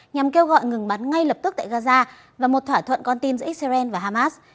nhằm kêu gọi ngừng bắn ngay lập tức tại gaza và một thỏa thuận con tin giữa israel và hamas